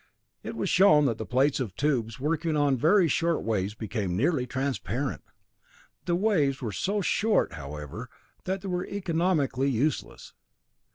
It was shown that the plates of tubes working on very short waves became nearly transparent. The waves were so short, however, that they were economically useless.